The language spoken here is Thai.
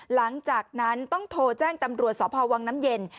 หลังจากนั้นต้องโทรแจ้งตำรวจสพวังน้ำเย็น